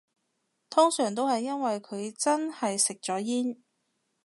通常都係因為佢真係食咗煙